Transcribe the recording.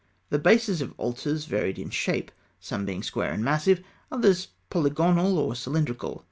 The bases of altars varied in shape, some being square and massive, others polygonal or cylindrical.